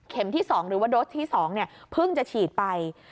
ที่๒หรือว่าโดสที่๒เพิ่งจะฉีดไป